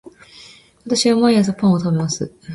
私は毎朝パンを食べます